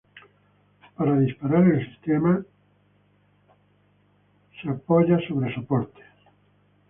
Para disparar, el sistema es apoyado sobre soportes.